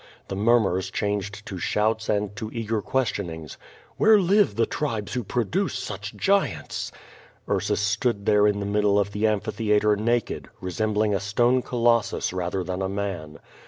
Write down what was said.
The murmurs changed to shouts and to eager ques tionings: *^Vhere live the tribes who produce such giants?" Ursus stood there in the middle of the amphitheatre naked, resembling a stone C olossus rather than a man.